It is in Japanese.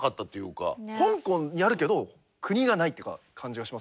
香港にあるけど国がないっていうか感じがします。